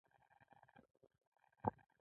څوک چې له وخته اټکل کوي پوهه نه لري.